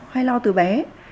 hay lo từ bé